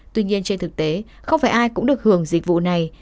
tuy nhiên trên thực tế không phải ai cũng được hưởng dịch vụ này